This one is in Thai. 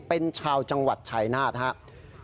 เป็นชาวจังหวัดชายนาฏครับ